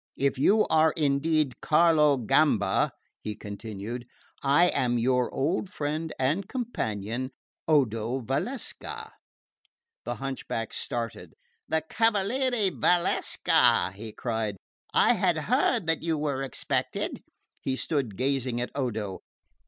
If you are indeed Carlo Gamba," he continued, "I am your old friend and companion Odo Valsecca." The hunchback started. "The Cavaliere Valsecca!" he cried. "I had heard that you were expected." He stood gazing at Odo.